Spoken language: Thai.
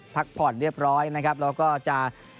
พักผ่อนเรียบร้อยนะครับแล้วก็จะ